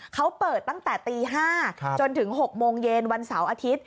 เขาเปิดตั้งแต่ตี๕จนถึง๖โมงเย็นวันเสาร์อาทิตย์